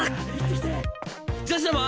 女子ども！